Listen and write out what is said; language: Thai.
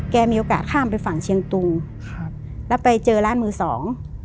มีโอกาสข้ามไปฝั่งเชียงตุงครับแล้วไปเจอร้านมือสอง